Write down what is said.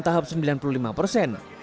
tahap sembilan puluh lima persen